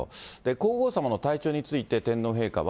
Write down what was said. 皇后さまの体調について、天皇陛下は。